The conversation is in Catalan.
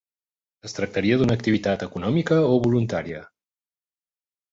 Es tractaria d'una activitat econòmica o voluntària?